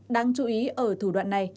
đáng chú ý ở thủ đoạn này